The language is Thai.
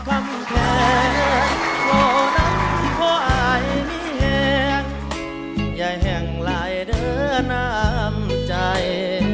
บ่ฮังบ่วาเจ้าดอบคำแพงโทนังโทอายมิแหงยัยแห่งไหลเดินน้ำใจ